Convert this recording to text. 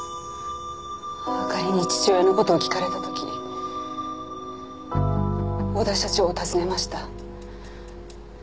あかりに父親の事を聞かれた時小田社長を訪ねました。